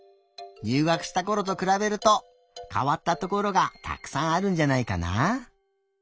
入学したころとくらべるとかわったところがたくさんあるんじゃないかな？